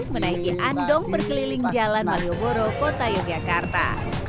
menaiki andong berkeliling jalan malioboro kota yogyakarta